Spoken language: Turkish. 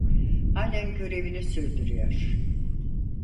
Hâlen görevini sürdürüyor.